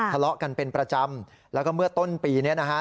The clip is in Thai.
ทะเลาะกันเป็นประจำแล้วก็เมื่อต้นปีนี้นะฮะ